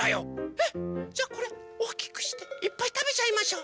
えっ⁉じゃあこれおおきくしていっぱいたべちゃいましょう。